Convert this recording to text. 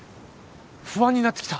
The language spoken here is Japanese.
不安になってきた。